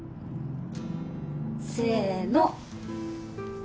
・せの・